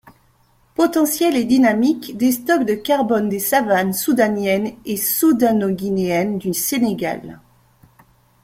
Potentiel et dynamique des stocks de carbone des savanes soudaniennes et soudanoguinéennes du Sénégal.